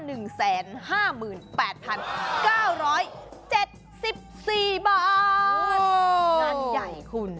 งานใหญ่คุณ